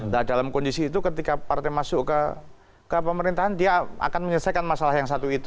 nah dalam kondisi itu ketika partai masuk ke pemerintahan dia akan menyelesaikan masalah yang satu itu